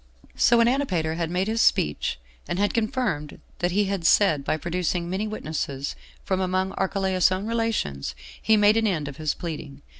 6. So when Antipater had made this speech, and had confirmed what he had said by producing many witnesses from among Archelaus's own relations, he made an end of his pleading.